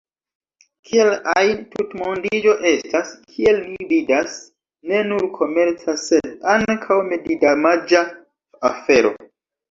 Kiel ajn, tutmondiĝo estas, kiel ni vidas, ne nur komerca sed ankaŭ medidamaĝa afero.